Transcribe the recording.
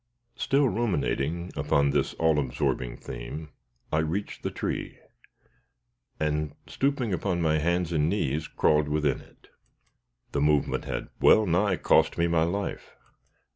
Still ruminating upon this all absorbing theme, I reached the tree, and, stooping upon my hands and knees, crawled within it. The movement had well nigh cost me my life.